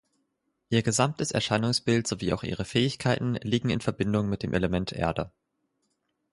Ihr gesamtes Erscheinungsbild sowie auch ihre Fähigkeiten liegen in Verbindung mit dem Element Erde.